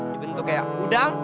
dibentuk kayak udang